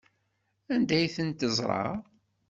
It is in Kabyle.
Anda ay tent-teẓra?